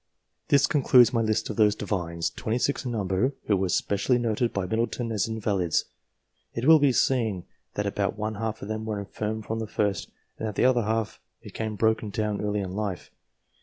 This concludes my list of those Divines, 26 in number, who were specially noted by Middleton as invalids. It will be seen that about one half of them were infirm from the first, and that the other half became broken down early in life.